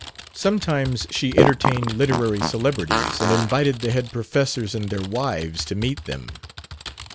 Sometimes she entertained literary celebrities, and invited the head professors and their wives to meet them.